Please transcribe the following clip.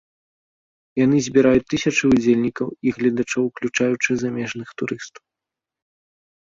Яны збіраюць тысячы ўдзельнікаў і гледачоў, уключаючы замежных турыстаў.